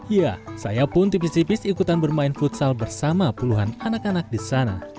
ya saya pun tipis tipis ikutan bermain futsal bersama puluhan anak anak di sana